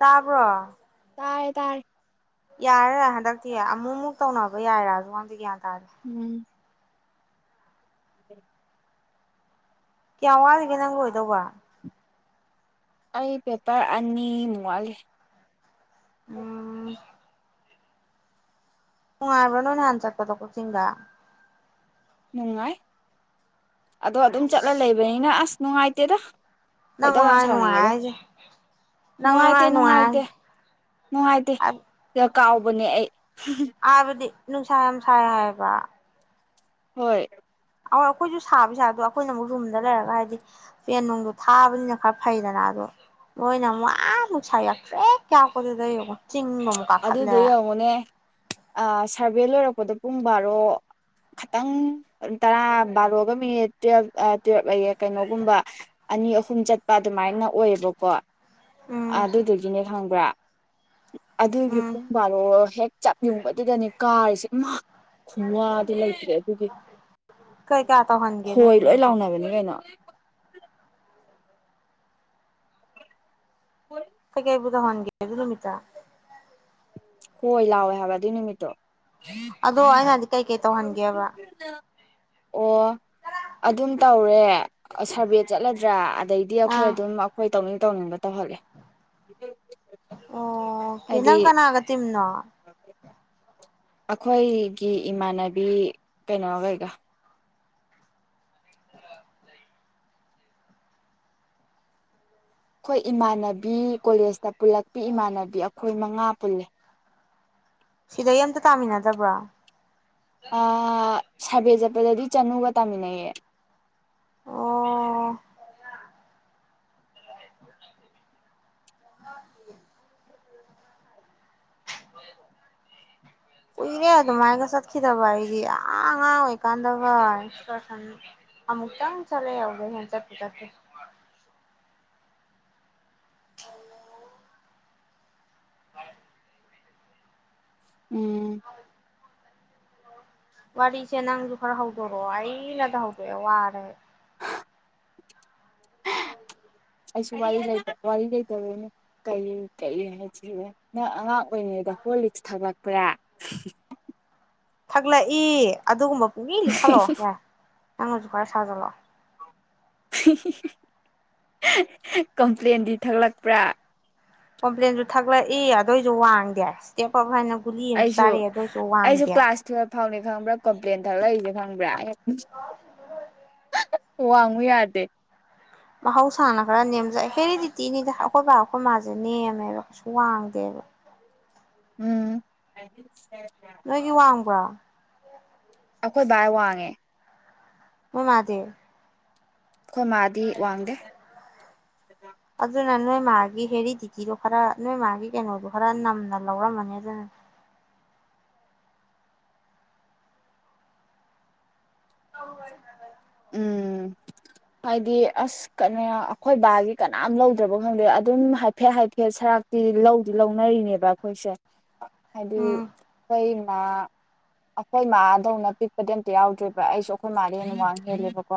ꯇꯥꯕ꯭ꯔꯣ ꯇꯥꯔ ꯇꯥꯔ ꯌꯥꯔꯦ ꯍꯟꯗꯛꯇꯤ ꯑꯃꯨꯛꯃꯨꯛ ꯇꯧꯅꯕ ꯌꯥꯏꯔꯥꯁꯨꯉꯣꯟꯗ ꯭ꯌꯥꯟ ꯎꯝ ꯎꯝ ꯀ ꯋꯥꯜꯒ ꯅꯪ ꯑꯣꯏꯣꯏꯗꯧ ꯋꯥ ꯑꯩ ꯄꯦꯄꯔ ꯑꯅꯤ ꯃꯨ ꯋꯥꯂꯤ ꯑꯝ ꯎꯨꯡꯥꯏꯕ꯭ꯔꯅꯣꯟ ꯆꯠ ꯀꯗ ꯀꯆꯒ ꯅꯨꯡꯉꯥꯏ ꯑꯗꯣ ꯑꯗꯨꯝ ꯆꯠꯂ ꯂꯩꯕꯅꯤꯅ ꯑꯁ ꯅꯨꯡꯉꯥꯏꯇꯦ ꯇꯦꯗ ꯅꯪ ꯃꯉꯥꯏ ꯅꯨꯡꯉꯥꯏ ꯍꯥꯏꯁꯦ ꯅꯪ ꯅꯨꯡꯉꯥꯏꯇꯦ ꯃꯅꯨꯡꯉꯥꯏ ꯅꯨꯡꯉꯥꯏꯇꯦ ꯅꯨꯡꯉꯥꯏꯁꯦ ꯅꯨꯡꯉꯥꯏꯇꯦ ꯁꯤꯗ ꯀꯥꯎꯕꯅꯦ ꯑꯩ ꯑꯕꯗꯤ ꯅꯨꯡꯁꯥ ꯌꯥꯝ ꯁꯥꯏ ꯍꯥꯏꯌꯦꯕ ꯍꯣꯏ ꯑꯣꯏ ꯑꯩꯈꯣꯏꯁꯨ ꯁꯥꯕꯁꯦ ꯑꯗꯣ ꯑꯩꯈꯣꯏꯅ ꯑꯃꯨꯛ ꯔꯨꯝꯗ ꯂꯩꯔꯒ ꯍꯥꯏꯗꯤ ꯄꯦꯟ ꯅꯨꯡꯗꯣ ꯊꯥꯕꯅꯤꯅ ꯈꯔ ꯐꯩꯗꯅ ꯑꯗꯣ ꯅꯣꯏꯅ ꯑꯃꯨꯛ ꯋꯥ ꯑꯃꯨꯛ ꯁꯥ ꯌꯥꯛꯇ꯭ꯔꯦꯛ ꯀꯌꯥꯛꯄꯗꯨꯗꯩꯕ ꯑꯗꯨꯗꯣ ꯌꯦꯡꯉꯣꯅꯦ ꯁꯥꯔꯚꯦ ꯂꯣꯏꯔꯛꯄ ꯂꯄꯗ ꯄꯨꯡ ꯕꯥꯔꯣ ꯈꯈꯤꯇꯪ ꯇꯔꯥ ꯕꯥꯔꯣꯒ ꯃꯤꯅꯤꯠ ꯇꯨꯋꯜꯕ ꯇꯨꯋꯜꯕ ꯂꯩꯌꯦ ꯀꯩꯅꯣꯒꯨꯝꯕ ꯑꯅꯤ ꯑꯍꯨꯝ ꯆꯠꯄ ꯑꯗꯨꯃꯥꯏꯅ ꯑꯣꯏꯌꯦꯕꯀꯣ ꯎꯝ ꯑꯗꯨꯗꯨꯒꯤꯅꯦ ꯈꯪꯕ꯭ꯔꯥ ꯑꯗꯨꯒꯤ ꯎꯝ ꯄꯨꯡ ꯕꯥꯔꯣ ꯍꯦꯛ ꯆꯞꯌꯨꯡꯕꯗꯨꯗꯅꯦ ꯀꯥꯔꯤꯁꯦ ꯏꯃꯥ ꯈꯨꯋꯥꯗꯤ ꯂꯩꯇ꯭ꯔꯦ ꯑꯗꯨꯒꯤ ꯀꯩꯀꯥ ꯇꯧꯍꯟꯒꯦ ꯍꯣꯏ ꯅꯣꯏꯒꯤꯗꯣ ꯂꯣꯏ ꯑꯗꯨꯗꯣ ꯂꯥꯎꯅꯕꯅꯤ ꯀꯩꯅꯣ ꯀꯩꯀꯩꯕꯨ ꯇꯧꯍꯟꯒꯦ ꯑꯗꯨ ꯅꯨꯃꯤꯠꯇ ꯍꯣꯏ ꯂꯥꯎꯋꯦ ꯍꯥꯏꯕ ꯑꯗꯨꯏ ꯅꯨꯃꯤꯠꯇꯣ ꯑꯗꯣ ꯑꯩꯅ ꯍꯥꯏꯗꯤ ꯀꯩꯀꯩ ꯇꯧꯍꯟꯒꯦꯕ ꯑꯣ ꯑꯗꯨꯝ ꯇꯧꯔ ꯇꯦ ꯁꯔꯚꯦ ꯆꯠꯂꯗ꯭ꯔꯥ ꯑꯗꯩꯗꯤ ꯑꯈꯣꯏ ꯑꯗꯨꯝ ꯑꯈꯣꯏ ꯇꯧꯅꯤꯡ ꯇꯧꯅꯤꯡꯕꯠ ꯑꯣ ꯀꯦ ꯅꯪ ꯀꯅꯥꯒ ꯇꯤꯝꯅꯣ [unintelligible] ꯑꯈꯣꯏꯒꯤ ꯏꯃꯥꯟꯅꯕꯤ ꯀꯩꯅꯣꯒꯩꯒ ꯈꯣꯏ ꯏꯃꯥꯟꯅꯕ ꯕꯤ ꯀꯣꯂꯦꯖ ꯇꯞ ꯄꯨꯜꯂꯛꯄꯤ ꯏꯃꯥꯟꯅꯕꯤ ꯑꯈꯣꯏ ꯃꯉꯥ ꯄꯨꯜꯂꯦ ꯁꯤꯗꯩ ꯑꯝꯇ ꯇꯥꯃꯤꯟꯅꯗꯕ꯭ꯔꯥ ꯑꯥ ꯁꯥꯕꯦ ꯆꯠꯄꯗꯗꯤ ꯆꯅꯨꯒ ꯇꯥꯃꯤꯟꯅꯩꯌꯦ ꯑꯣ [unintelligible] ꯀꯨꯏꯔꯦ ꯑꯗꯨꯃꯥꯏꯒ ꯆꯠꯈꯤꯗꯕ ꯑꯩꯗꯤ ꯑꯥ ꯑꯉꯥꯡ ꯑꯣꯏꯀꯥꯟꯗꯒ ꯑꯦꯛꯁꯀꯔꯁꯟ ꯑꯃꯨꯛꯇꯪ ꯆꯠꯂꯦ ꯑꯧꯗꯩ ꯍꯦꯟ ꯆꯠꯄꯨ ꯆꯠꯇꯔꯤ [unintelligible] ꯎꯝ ꯋꯥꯔꯤꯁꯦ ꯅꯪꯖꯨ ꯈꯔ ꯍꯧꯗꯣꯔꯛꯑꯣ ꯑꯩꯅꯗ ꯍꯧꯗꯣꯛꯑꯦ ꯋꯥꯔꯦ ꯑꯩ [unintelligible] ꯑꯩꯁꯨ ꯋꯥꯔꯤ ꯂꯩꯇ ꯋꯥꯔꯤ ꯂꯩꯇꯕꯩꯅꯦ ꯀꯩ ꯀꯩ ꯍꯥꯏꯖꯤꯒꯦ ꯅꯪ ꯑꯉꯥꯡ ꯑꯣꯏꯔꯤꯉꯩꯗ ꯍꯣꯔꯂꯤꯛꯁ ꯊꯛꯂꯛ ꯄꯔꯥ ꯊꯛꯂꯛꯏ ꯑꯗꯨꯒꯨꯝꯕ ꯄꯨꯡꯂꯤ ꯂꯤꯁꯜꯂꯣ ꯌꯥꯏ ꯅꯪꯅꯖꯨ ꯈꯔ ꯁꯥꯖꯜꯂꯣ ꯀꯝꯄ꯭ꯂꯦꯟꯗꯤ ꯊꯛꯂꯛꯄ꯭ꯔꯥ ꯀꯝꯄ꯭ꯂꯦꯟꯖꯨ ꯊꯛꯂꯛꯏ ꯑꯗꯣꯏꯖꯨ ꯋꯥꯡꯗꯦ [unintelligible] ꯑꯩꯁꯨ ꯆꯥꯔꯛꯑꯦ ꯑꯗꯨꯏꯁꯨ ꯑꯩꯁꯨ ꯋꯥꯡꯗꯦ ꯀ꯭ꯂꯥꯁ ꯇꯨꯌꯦꯜꯞ ꯐꯥꯎꯅꯤ ꯈꯪꯕ꯭ꯔꯥ ꯀꯣꯝꯄ꯭ꯂꯦꯟ ꯊꯛꯂꯛꯏꯖꯦ ꯈꯪꯕ꯭ꯔꯥ ꯍꯦꯛ [unintelligible] ꯋꯥꯡꯉꯨ ꯌꯥꯗꯦ ꯃꯍꯧ ꯁꯥꯅ ꯈꯔ ꯅꯦꯝꯖꯩ ꯍꯦꯔꯤꯗꯤꯇꯤꯅꯤꯗ ꯑꯈꯣꯏ ꯕꯥ ꯑꯈꯣꯏ ꯃꯥ ꯅꯦꯝꯃꯦꯕ ꯀꯩꯁꯨ ꯋꯥꯡꯗꯦꯕ ꯎꯝ ꯅꯣꯏꯒꯤ ꯋꯥꯡꯕ꯭ꯔꯣ ꯑꯩꯈꯣꯏ ꯚꯥꯏ ꯋꯥꯡꯉꯦ ꯑꯣ ꯃꯥꯗꯦꯕ ꯑꯩꯣꯏ ꯃꯥꯗꯤ ꯋꯥꯡꯗꯦ ꯑꯗꯨꯅ ꯅꯣꯏ ꯃꯥꯒꯤ ꯍꯦꯔꯤ ꯇꯤꯇꯤꯗꯣ ꯈꯔ ꯅꯣꯏ ꯃꯥꯒꯤ ꯀꯩꯅꯣꯗꯣ ꯈꯔ ꯅꯝꯅ ꯂꯧꯔꯝꯃꯅꯤ ꯑꯗꯨꯅ ꯍ ꯍꯣꯏ ꯍ ꯎꯝ ꯍꯥꯏꯗꯤ ꯑꯁ ꯀꯩꯅ ꯑꯩꯈꯣꯏ ꯕꯥꯒꯤ ꯀꯅꯥꯝ ꯂꯧꯗ꯭ꯔꯕ ꯈꯪꯗꯦ ꯑꯗꯨꯝ ꯍꯥꯏꯐꯦꯠ ꯍꯥꯏꯐꯦꯠ ꯁꯔꯥꯛꯇꯤ ꯂꯧꯗꯤ ꯂꯧꯅꯔꯤꯅꯦꯕ ꯑꯩꯈꯣꯏꯁꯦ ꯍꯥꯏꯗꯤ ꯎꯝ ꯀꯩꯅ ꯑꯩꯈꯣꯏ ꯃꯥꯗꯧꯅ ꯄꯤꯛꯄꯗꯤ ꯑꯝꯇ ꯌꯥꯎꯗ꯭ꯦꯕ ꯑꯩꯁꯨ ꯑꯩꯈꯣꯏ ꯃꯥꯜꯗꯤꯦ ꯅꯨꯡꯉꯡꯉꯦ ꯍꯦꯕꯀꯣ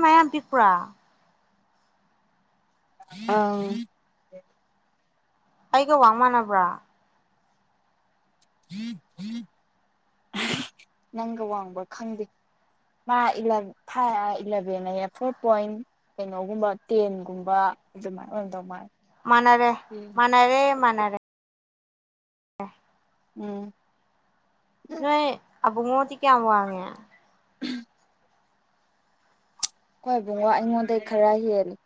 ꯃꯌꯥ ꯄꯛꯄꯥ ꯑꯥ ꯀꯩꯒ ꯋꯥꯡꯃꯅꯥꯕ꯭ꯔꯥ ꯅꯪꯒ ꯋꯥꯡꯕ ꯈꯪꯗꯦ ꯃꯥ ꯐꯥꯏꯚ ꯏꯂꯚꯦꯟ ꯍꯥꯏꯌꯦ ꯐꯣꯔ ꯄꯣꯏꯟ ꯀꯩꯅꯣꯒꯨꯝꯕ ꯇꯦꯟꯒꯨꯝꯕ ꯑꯗꯨꯃꯥꯏꯅ ꯑꯣꯏꯅ ꯇꯧ ꯃꯥ ꯃꯅꯔꯦ ꯃꯅꯔꯦ ꯃꯅꯔꯦ ꯍ ꯎꯝ ꯅꯣꯏ ꯑꯕꯉꯇꯤ ꯀꯦꯌꯥ ꯋꯥꯉ ꯍꯣꯏꯕꯨꯡ ꯋꯥ ꯑꯩꯉꯣꯟꯗꯩ ꯈꯔ ꯍꯦꯜꯜꯂꯤꯦ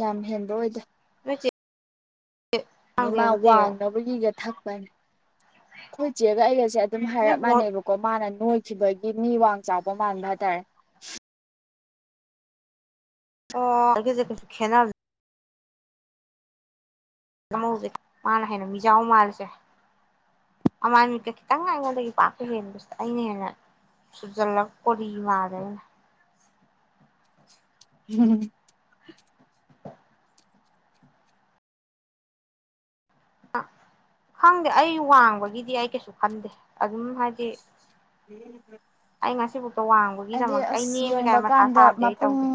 ꯌꯥꯝ ꯍꯦꯟꯕ ꯑꯣꯏꯗ ꯃꯆꯦ ꯃꯥ ꯋꯥꯡꯅꯕꯒꯤꯒ ꯊꯛꯄ ꯑꯩꯣꯏ ꯆꯦꯒꯁ ꯑꯗꯨꯝ ꯅꯣꯏ ꯍꯥꯏꯔꯞ ꯕꯨꯡꯉꯣ ꯃꯥꯟꯅꯦꯕꯀꯣ ꯃꯥꯅ ꯅꯣꯏ ꯆꯈꯤꯕꯒꯤ ꯃꯤ ꯋꯥꯡ ꯆꯥꯎꯕ ꯃꯥꯟꯕ ꯍꯥꯏꯇꯥꯔꯦ ꯑꯦꯦ ꯀꯁꯨ ꯈꯅ ꯍ ꯍꯧꯖꯤꯛ ꯃꯥꯅ ꯍꯦꯟꯅ ꯃꯤꯖꯥꯎ ꯃꯥꯜꯜꯂꯤꯁꯦ ꯑꯃꯥꯟꯀ ꯈꯤꯇꯪ ꯉ ꯑꯩꯉꯣꯟꯗꯒꯤ ꯄꯥꯛꯄ ꯍꯦꯟꯕꯁꯤꯗ ꯑꯩꯅ ꯍꯦꯟꯅ ꯁꯨꯖꯜꯂꯒ ꯀꯣꯔꯤ ꯃꯥꯜꯂꯅ ꯎꯝ ꯈꯪꯗꯦ ꯑꯩ ꯋꯥꯡꯕꯒꯤꯗꯤ ꯑꯩ ꯀꯩꯁꯨ ꯈꯟꯗꯦ ꯑꯗꯨꯝ ꯍꯥꯏꯗꯤ ꯎꯝ ꯑꯩ ꯉꯁꯤꯕꯨ ꯍꯥꯏꯗꯤ ꯑꯁ ꯌꯦꯡꯕ ꯀꯥꯟꯗ ꯁꯥꯕꯗꯤ ꯑꯩ ꯃꯄꯨꯡ ꯇꯧꯗꯦ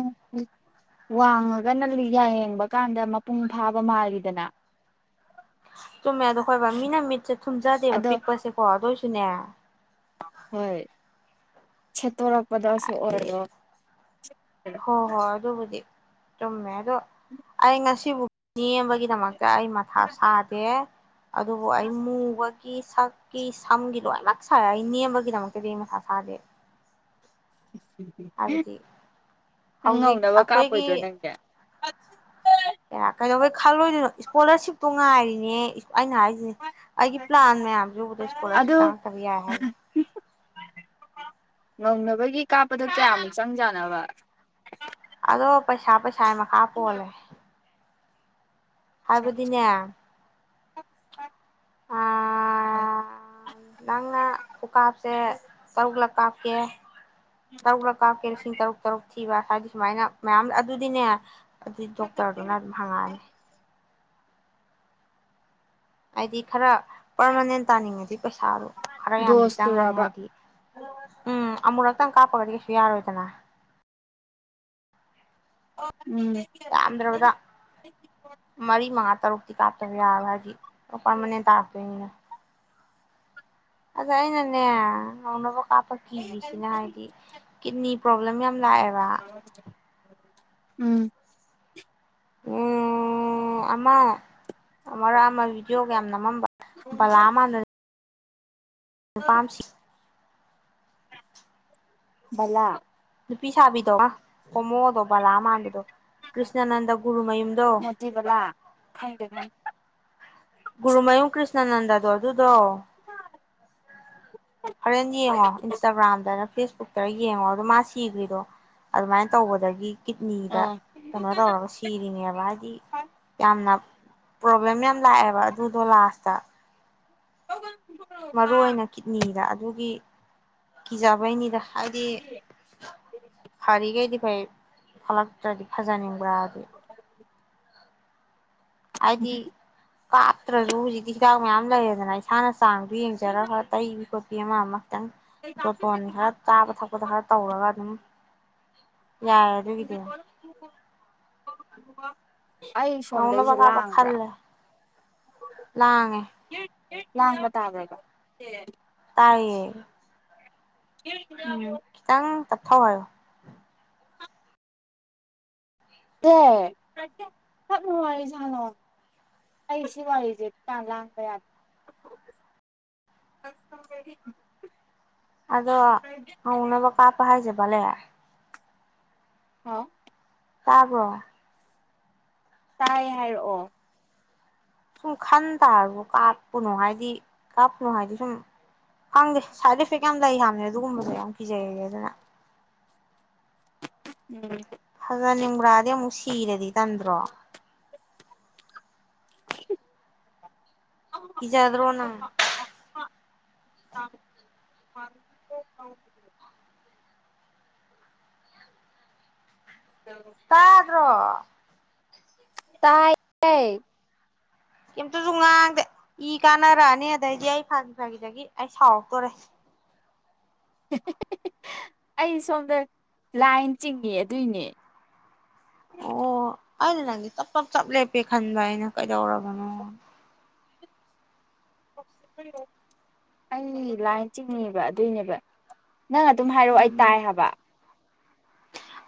ꯋꯥꯡꯉꯒꯅꯌꯦꯡꯕ ꯀꯥꯟꯗ ꯃꯄꯨꯡ ꯐꯥꯕ ꯃꯥꯜꯂꯤꯗꯅ ꯆꯨꯝꯃꯦ ꯑꯗꯣ ꯈꯣꯏꯕ ꯃꯤꯅ ꯃꯤꯠꯁꯦ ꯊꯨꯝꯖꯗꯦꯕ ꯑꯗꯣ ꯄꯤꯛꯄꯁꯦꯀꯣ ꯑꯗꯨꯗ ꯁꯨꯟꯅꯌꯥ ꯍꯣꯏ ꯁꯦꯠꯇꯣꯔ ꯑꯗ ꯍꯣ ꯍꯣꯏ ꯑꯗꯨꯗꯣꯕꯨꯗꯤ ꯁꯃꯦ ꯑꯗꯣ ꯑꯩ ꯉꯁꯤꯕꯨ ꯅ ꯑꯃꯒꯤꯒꯤ ꯇꯃꯒ ꯑꯩ ꯃꯊꯥꯞ ꯁꯥꯗꯦ ꯑꯗꯨꯗ ꯑꯩꯃꯨ ꯁꯛꯀꯤ ꯁꯝꯒꯤ ꯂꯣꯏ ꯉꯥꯛ ꯁꯥꯔꯦ ꯑꯩ ꯅꯦꯝꯕꯒꯤꯗꯃꯛꯇꯗꯤ ꯑꯩ ꯃꯁꯥ ꯁꯥꯗꯦ ꯎꯝ ꯍꯥꯏꯕꯗꯤ ꯅꯪ ꯍꯧꯖꯤꯛ ꯉꯧꯅꯕ ꯑꯩꯈꯣꯏꯒꯤ ꯀꯥꯞꯄꯣꯏꯗ꯭ꯔꯣ ꯅꯪꯗꯤ ꯀꯩꯗꯧꯕ ꯈꯜꯂꯣꯏꯗꯣꯏꯅꯣ ꯏꯁꯀꯣꯂꯔꯁꯤꯞꯇꯣ ꯉꯥꯏꯔꯤꯅꯦ ꯑꯩꯅ ꯍꯥꯏꯁꯤꯅꯦ ꯑꯩꯒꯤ ꯄ꯭ꯂꯥꯟ ꯃꯌꯥꯝꯁꯤ ꯎꯕꯨꯗ ꯏꯁꯀꯣꯂꯥꯔꯁꯤꯞ ꯑꯗꯨ ꯆꯪꯉꯛꯇꯕ ꯌꯥꯏ ꯍꯥꯏꯁꯦ ꯉꯧꯅꯕꯒꯤ ꯀꯥꯞꯄꯗꯣ ꯀꯌꯥꯃꯨꯛ ꯆꯪꯖꯥꯅꯕ ꯑꯗꯣ ꯄꯥ ꯁꯥꯏ ꯃꯈꯥ ꯄꯣꯜꯂꯦ ꯍꯥꯏꯕꯗꯤꯅ ꯅꯪꯅ ꯈꯨꯀꯥꯞꯁꯦ ꯇꯔꯨꯛꯂꯛ ꯀꯥꯞ ꯀꯦ ꯇꯔꯨꯛꯂꯀ ꯀꯦꯜꯁꯤ ꯇꯔꯨꯛ ꯇꯔꯨꯛ ꯊꯤꯕ ꯍꯥꯏꯗꯤ ꯁꯨꯃꯥꯏꯅ ꯃꯌꯥꯝ ꯑꯗꯨꯗꯤꯅꯦ ꯑꯗꯨꯏ ꯗꯣꯛꯇꯔꯗꯨꯅ ꯑꯗꯨꯝ ꯍꯪꯉꯛꯑꯅꯤ ꯍꯥꯏꯗꯤ ꯈꯔ ꯄꯔꯃꯥꯅꯦꯟ ꯇꯥꯅꯤꯡꯉꯗꯤ ꯄꯩꯁꯥꯗꯣ ꯈꯔ ꯌꯥꯝꯗꯤ ꯆꯪꯉꯅꯤ ꯗꯣꯁꯇꯨꯔꯕ ꯍꯥꯏꯗꯤ ꯎꯝ ꯑꯃꯨꯔꯛꯇꯪ ꯀꯥꯞꯄꯒꯗꯤ ꯀꯩ ꯌꯥꯔꯣꯏꯗꯅ ꯑꯣ ꯆꯥꯝꯗ꯭ꯔꯕꯗ ꯃꯔꯤ ꯃꯥ ꯇꯔꯨꯛꯇꯤ ꯀꯥꯞꯇꯕ ꯌꯥꯔ ꯍꯥꯏꯗꯤ ꯄꯔꯃꯅꯦꯟ ꯇꯥꯔꯛꯇꯣꯏꯅꯤꯅ ꯑꯗꯥꯏ ꯅꯅꯦꯦ ꯅꯅ ꯑꯄꯥꯛꯞꯄ ꯀꯤꯔꯤꯁꯤꯅ ꯍꯥꯏꯕꯗꯤ ꯀꯤꯗꯅꯤ ꯄ꯭ꯔꯣꯕ꯭ꯂꯦꯝ ꯌꯥꯝ ꯂꯥꯛꯑꯦꯕ ꯎꯝ ꯎꯝ ꯑꯃ ꯑꯃꯛ ꯑꯃ ꯚꯤꯗꯤꯑꯣꯒ ꯌꯥꯝ ꯅꯝꯃꯝꯕ ꯕꯂꯥ ꯃꯥꯟꯅ ꯑꯗꯨ ꯄꯥꯝꯁꯤ ꯂ ꯅꯨꯄꯤ ꯁꯥꯕꯤꯗꯣ ꯀꯣꯃꯣꯗꯣ ꯕꯂꯥ ꯃꯥꯟꯕꯗꯣ ꯀ꯭ꯁꯅꯅꯟꯗ ꯒꯔꯃꯌꯨꯝꯗꯣ ꯃꯣꯇꯤ ꯕꯂꯥ ꯈꯪꯗꯦ ꯈꯪꯗꯦ ꯒꯨꯔꯨꯃꯌꯨꯝ ꯀ꯭ꯁꯅꯅꯟꯗꯗꯣ ꯑꯗꯨ ꯑꯗꯨꯗꯣ [inaudible] ꯐꯦꯁꯕꯨꯛꯇ ꯌꯦꯡꯉꯣ ꯑꯗꯣ ꯃꯥ ꯁꯤꯈ꯭ꯔꯤꯗꯣ ꯑꯗꯨꯃꯥꯏꯅ ꯇꯧꯕꯗꯒꯤ ꯀꯤꯗꯅꯤꯗ ꯑꯥ ꯀꯩꯅꯣ ꯇꯧꯔꯒ ꯁꯤꯔꯤꯉꯦꯕ ꯍꯥꯏꯗꯤ ꯌꯥꯝꯅ ꯄ꯭ꯔꯣꯕ꯭ꯂꯦꯝ ꯌꯥꯝ ꯂꯥꯛꯑꯦꯕ ꯑꯗꯨꯗꯣ ꯂꯥꯁꯇ ꯃꯔꯨ ꯑꯣꯏꯅ ꯀꯤꯠꯅꯤꯗ ꯑꯗꯨꯒꯤ ꯀꯤꯖꯕꯩꯅꯤꯗ ꯍꯥꯏꯗꯤ ꯐꯔꯤꯈꯩꯗꯤ ꯑꯩ ꯐꯥꯂꯛꯛꯇꯇ꯭ꯔꯥꯗꯤ ꯐꯖꯅꯤ ꯔꯥꯕꯤ ꯍꯥꯏꯗꯤ ꯀꯥꯞꯇ꯭ꯔꯁꯨ ꯍꯧꯖꯤꯛꯇꯤ ꯍꯤꯗꯥꯛ ꯃꯌꯥꯝ ꯂꯩꯌꯦꯗꯅ ꯏꯁꯥꯅ ꯇꯥꯡꯕꯤ ꯌꯦꯖꯔ ꯐ ꯇ ꯄ ꯑꯝꯃ ꯑꯃ ꯈꯤꯇꯪ ꯌꯖꯣꯇꯣꯟ ꯈꯔ ꯆꯥꯕ ꯊꯛꯄꯗ ꯈꯔ ꯇꯧꯔꯒ ꯑꯗꯨꯝ ꯌꯥꯔꯦ ꯑꯗꯨꯒꯤꯗꯤ ꯑꯩ ꯉꯧꯅꯕ ꯁꯣꯝꯗꯁꯦ ꯀꯥꯞꯄ ꯂꯥꯡꯕ꯭ꯔꯥ ꯈꯜꯂꯦ ꯂꯥꯡꯉꯦ ꯂꯥꯡꯕ ꯇꯥꯕ꯭ꯔꯒ ꯇꯥꯏꯌꯦ ꯏ ꯈꯤ ꯇꯪ ꯊꯋꯣ ꯑꯦꯦ ꯌꯥꯝꯞ ꯅꯨꯡ ꯋꯥꯔꯤꯁꯥꯠꯂꯣꯅꯦ ꯑꯩ ꯁꯤ ꯋꯥꯔꯤꯁꯦ ꯇꯥꯟ ꯂꯥꯡꯕ ꯌꯥꯗꯦ ꯑꯗꯣꯅꯅꯕ ꯀꯥ ꯄꯥꯏꯖꯕ ꯂꯦ ꯍꯥ ꯀꯥꯒꯣ ꯇꯥꯏ ꯍꯥꯏꯔꯛꯑꯣ ꯁꯨꯝ ꯈꯟ ꯇꯥꯔꯕ ꯀꯥꯞꯄꯅꯣ ꯍꯥꯏꯗꯤ ꯀꯥꯞꯄꯅꯣ ꯍꯥꯏꯗꯤ ꯁꯨꯝ ꯈꯪꯗꯦ ꯁꯥꯏꯠ ꯏꯐꯦꯛ ꯌꯥꯝ ꯂꯩ ꯍꯥꯃꯦ ꯑꯗꯨꯒꯨꯝꯕꯁꯨ ꯌꯥꯝ ꯀꯤꯖꯩꯔꯦ ꯑꯗꯨꯅ ꯎꯝ ꯐꯖꯅꯤꯡꯕ꯭ꯔꯥꯗꯤ ꯑꯃꯨꯛ ꯁꯤꯔꯗꯤ ꯇꯟꯗ꯭ꯔꯣ ꯏꯖꯥꯗꯔꯣꯅ [inaudible] ꯇꯥꯗ꯭ꯔꯣ ꯇꯥꯏ ꯀꯝꯇꯁꯨ ꯉꯥꯡꯗꯦ ꯏ ꯀꯥꯟꯅꯔꯛꯑꯅꯤ ꯑꯗꯩꯗꯤ ꯑꯩ ꯐꯥꯒꯤ ꯐꯥꯒꯤꯗꯒꯤ ꯑꯩ ꯁꯥꯎꯔꯛꯇꯣꯔꯦ ꯑꯩ ꯁꯣꯝꯗ ꯂꯥꯏꯟ ꯆꯤꯡꯉ ꯑꯗꯨꯏꯅꯦ ꯎꯝ ꯍꯥꯏꯗ ꯅꯪꯗꯤ ꯆꯞ ꯆꯞ ꯆꯞ ꯂꯦꯞꯄꯦ ꯈꯟꯕ ꯍꯥꯏꯅ ꯀꯩꯗꯧꯔꯕꯅꯣ ꯑꯩꯒꯤ ꯂꯥꯏꯟ ꯆꯤꯡꯉꯕ ꯑꯗꯨꯏꯅꯦꯕ ꯅꯪ ꯑꯗꯨꯝ ꯍꯥꯏꯔꯛꯑꯣ ꯑꯩ ꯎꯝ ꯇꯥꯏ ꯍꯥꯏꯕ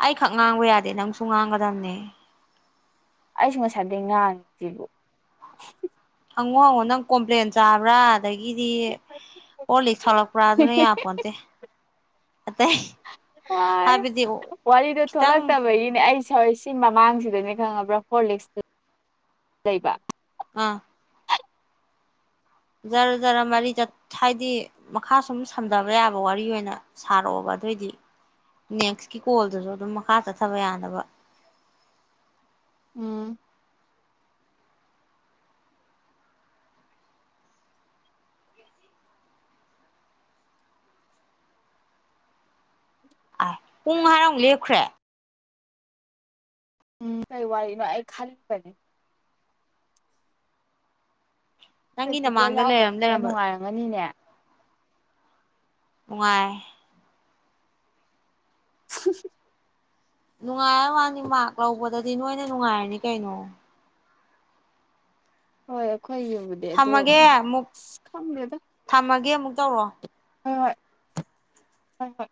ꯑꯩꯈꯛ ꯉꯥꯡꯕ ꯌꯥꯗꯦ ꯅꯪꯁꯨ ꯉꯥꯡꯒꯗꯕꯅꯦ ꯑꯩꯁꯨ ꯉꯁꯥꯏꯗꯒꯤꯩ ꯉꯥꯡꯉꯤꯁꯤꯕꯨ ꯅꯪꯉꯣ ꯍꯪꯉꯣ ꯅꯪ ꯀꯝꯄ꯭ꯂꯦꯟ ꯆꯥꯕ꯭ꯔꯥ ꯑꯗꯒꯤꯗꯤ ꯑꯣ ꯂꯤꯛ ꯊꯂꯛꯄ꯭ꯔꯥ ꯑꯗꯨꯅ ꯌꯥꯄꯣꯟꯇꯦ ꯑꯇꯩ ꯍꯥꯏꯕꯗꯤ ꯈꯤꯇꯪ ꯍꯣꯏ ꯁꯤ ꯃꯃꯥꯡꯁꯤꯗꯅꯦ ꯈꯪꯉꯕ꯭ꯔꯥ ꯐꯣꯔ ꯂꯤꯛꯁ ꯂꯩꯕ ꯑꯥ [unintelligible] ꯖꯔ ꯖꯔ ꯃꯔꯤ ꯍꯥꯏꯗꯤ ꯃꯈꯥ ꯁꯨꯝ ꯁꯝꯊꯕ ꯌꯥꯕ ꯋꯥꯔꯤ ꯑꯣꯏꯅ ꯁꯥꯔꯛꯑꯣꯕ ꯑꯗꯨꯑꯣꯏꯗꯤ ꯅꯦꯛꯁꯀꯤ ꯀꯣꯜꯗꯁꯨ ꯑꯗꯨꯝ ꯃꯈꯥ ꯆꯠꯊꯕ ꯌꯥꯅꯕ ꯎꯝ ꯑ ꯄꯨꯡ ꯍꯥꯏꯔꯃꯨꯛ ꯂꯦꯞꯈ꯭ꯔꯦ ꯎꯝ ꯀꯩ ꯋꯥꯔꯤꯅꯣ ꯑꯩ ꯈꯜꯂꯤꯕꯅꯤ ꯅꯪꯒꯤ ꯄ꯭ꯔꯦꯛꯇꯤꯀꯦꯜ ꯅꯃꯥꯡꯗ ꯂꯩꯔꯝ ꯌꯥꯎꯗꯕꯅꯤꯅ ꯂꯩꯔꯝꯕ ꯅꯨꯡꯉꯥꯏꯔꯝꯒꯅꯤꯅꯦ ꯅꯨꯡꯉꯥꯏ [unintelligible] ꯅꯨꯡꯉꯥꯏꯔ ꯋꯥꯅꯤ ꯃꯥꯔ ꯂꯧꯕꯗꯗꯤ ꯅꯣꯏꯅ ꯅꯨꯡꯉꯥꯏꯔꯅꯤ ꯀꯩꯅꯣ ꯍꯣꯏ ꯑꯩꯈꯣꯏ ꯌꯨꯕꯗꯤ ꯑꯗꯣ ꯊꯝꯃꯒꯦ ꯑꯁ ꯈꯪꯗꯦꯗ ꯗ ꯋꯥꯣ ꯍꯣꯏ ꯍꯣꯏ ꯍꯣꯏ ꯍꯣꯏ